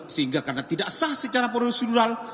sehingga karena tidak sah secara prosedural